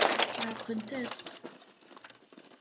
Ɛeṛqent-as.